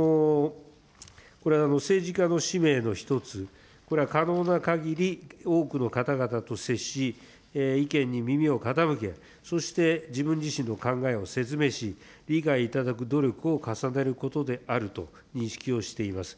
これ、政治家の使命の一つ、これは可能なかぎり多くの方々と接し、意見に耳を傾け、そして自分自身の考えを説明し、理解いただく努力を重ねることであると認識をしています。